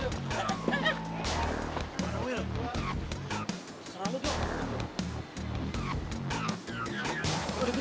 terserah lo kal